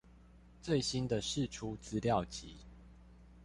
最新的釋出資料集